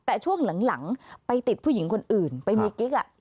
แต่ช่วงหลังไปติดผู้หญิงคนอื่นไปมีกิ๊ก